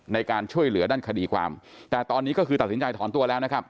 ในการช่วยเหลือด้านคดีความแต่ตอนนี้ก็คือตัดสินใจถอนตัวแล้วนะครับ